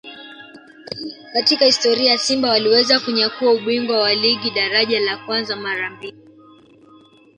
katika historia Simba waliweza kunyakua ubingwa wa ligi daraja la kwanza mara mbili